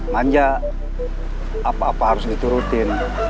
manja apa apa harus diturutin